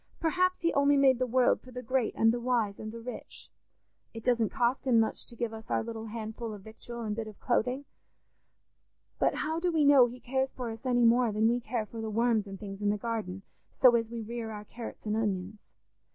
Perhaps he only made the world for the great and the wise and the rich. It doesn't cost him much to give us our little handful of victual and bit of clothing; but how do we know he cares for us any more than we care for the worms and things in the garden, so as we rear our carrots and onions?